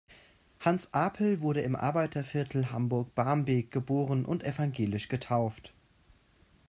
Hans Apel wurde im Arbeiterviertel Hamburg-Barmbek geboren und evangelisch getauft.